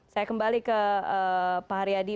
saya kembali ke pak haryadi